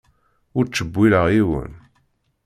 Ur ttcewwileɣ yiwen.